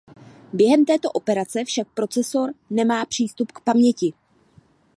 Během této operace však procesor nemá přístup k paměti.